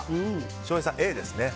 翔平さん、Ａですね。